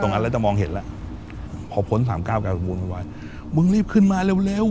ตรงนั้นแล้วจะมองเห็นแล้วพอพ้นสามก้าวกับชะงักมึงรีบขึ้นมาเร็วเร็ว